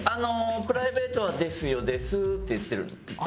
プライベートは「ですよ。です」って言ってるんで。